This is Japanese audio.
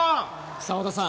澤田さん。